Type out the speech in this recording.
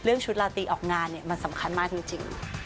ชุดลาตีออกงานเนี่ยมันสำคัญมากจริง